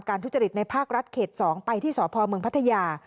ทุจริตในภาครัฐเขต๒ไปที่สพเมืองพัทยา